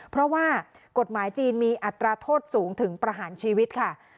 เพราะว่ากฎหมายจีนมีอัตราโทษสูงถึงประหารชีวิตค่ะ